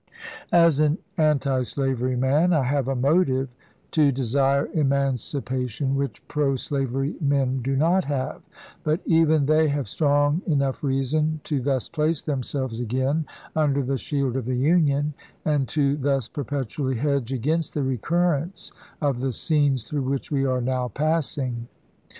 As an antislavery man, I have a motive to desire emancipation which pro slavery men do not have ; but even they have strong enough reason to thus place them selves again under the shield of the Union, and to thus perpetually hedge against the recurrence of the scenes through which we are now passing.